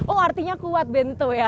oh artinya kuat bentuk ya